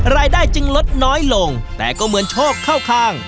รายได้จึงลดน้อยลงแต่ก็เหมือนโชคเข้าข้าง